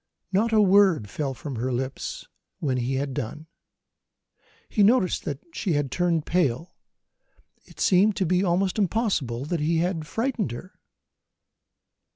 Not a word fell from her lips when he had done. He noticed that she had turned pale: it seemed to be almost possible that he had frightened her!